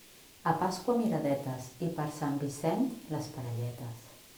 A Pasqua miradetes i per Sant Vicent les parelletes.